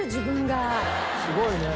すごいね。